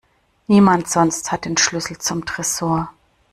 Niemand sonst hat den Schlüssel zum Tresor.